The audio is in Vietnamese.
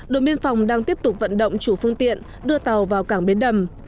đội biên phòng đang tiếp tục vận động chủ phương tiện đưa tàu vào cảng biến đầm